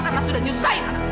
karena sudah nyusahin anak saya